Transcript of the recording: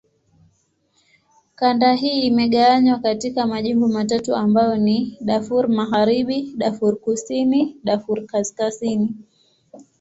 Kanda hii imegawanywa katika majimbo matatu ambayo ni: Darfur Magharibi, Darfur Kusini, Darfur Kaskazini.